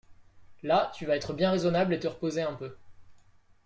Là, tu vas être bien raisonnable et te reposer un peu.